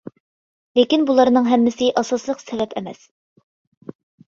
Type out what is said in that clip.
لېكىن بۇلارنىڭ ھەممىسى ئاساسلىق سەۋەب ئەمەس.